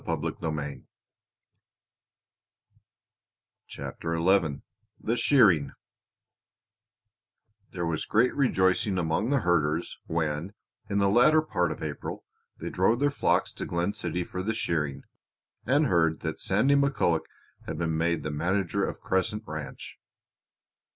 CHAPTER XI THE SHEARING There was great rejoicing among the herders when, in the latter part of April, they drove their flocks to Glen City for the shearing, and heard that Sandy McCulloch had been made manager of Crescent Ranch.